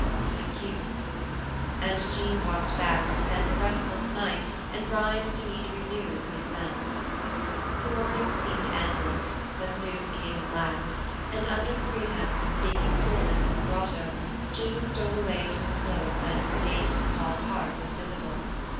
"Thank you." And Jean walked back to spend a restless night and rise to meet renewed suspense. The morning seemed endless, but noon came at last, and under the pretense of seeking coolness in the grotto, Jean stole away to a slope whence the gate to the Hall park was visible.